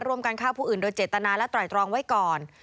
ร่วมกันฆ่าผู้อื่นโดยเจตนาและต่อยตรองไว้ก่อน